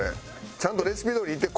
ちゃんとレシピどおりいって。